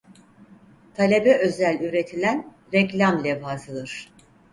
Talebe özel üretilen reklam levhasıdır.